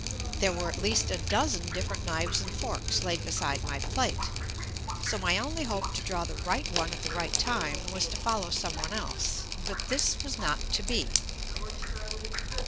There were at least a dozen different knives and forks laid beside my plate, so my only hope to draw the right one at the right time was to follow some one else — but this was not to be.